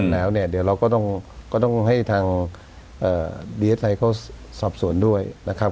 แล้วเนี่ยเดี๋ยวเราก็ต้องให้ทางดีเอสไอเขาสอบสวนด้วยนะครับ